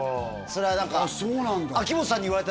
それは何かそうなんだへえ